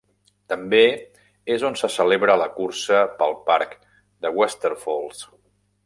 També és on se celebra la cursa pel parc de Westerfolds.